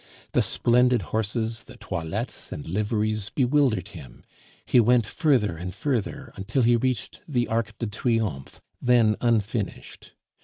The splendid horses, the toilettes, and liveries bewildered him; he went further and further, until he reached the Arc de Triomphe, then unfinished.